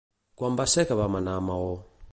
Quan va ser que vam anar a Maó?